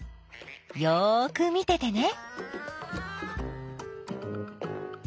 よく見ててね。